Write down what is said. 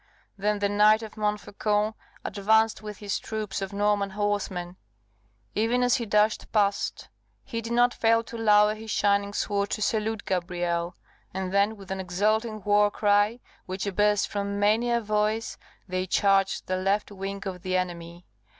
Then the Knight of Montfaucon advanced with his troop of Norman horsemen even as he dashed past, he did not fail to lower his shining sword to salute Gabrielle; and then with an exulting war cry, which burst from many a voice, they charged the left wing of the enemy.